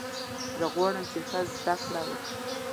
زه غواړم چې ښه زده کړه وکړم.